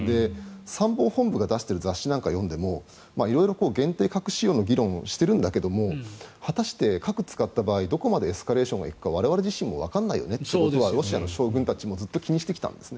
参謀本部が出している雑誌なんかを読んでも色々、限定核使用の議論をしているんだけど果たして、核を使った場合どこまでエスカレーションが行くか我々もわからないよねってロシアの将軍たちもずっと気にしてきたんです。